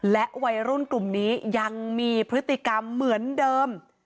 และวัยรุ่นกลุ่มนี้ยังมีพฤติกรรมเหมือนเดิม